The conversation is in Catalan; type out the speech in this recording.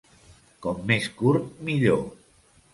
Com més curt, millor.